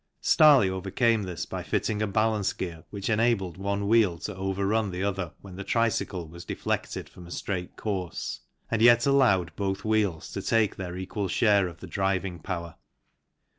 Starley overcame this by fitting a balance gear which enabled one wheel to over run the other when the tricycle was deflected from a straight course, and yet allowed both wheels to take their equal share of the driving power.